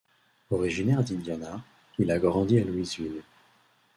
Originaire d'Indiana, il a grandi à Louisville.